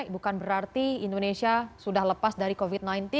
bukan berarti indonesia sudah lepas dari covid sembilan belas